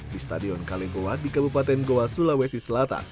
di stadion kalenggowa di kabupaten goa sulawesi selatan